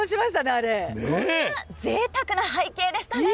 あれはぜいたくな背景でしたね。